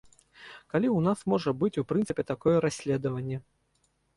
Калі ў нас можа быць у прынцыпе такое расследаванне.